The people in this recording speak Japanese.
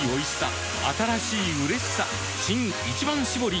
新「一番搾り」